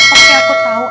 oke aku tahu